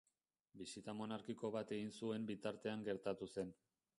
Bisita monarkiko bat egiten zuen bitartean gertatu zen.